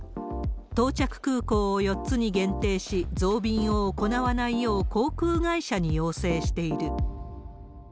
到着空港を４つに限定し、増便を行わないよう航空会社に要請している。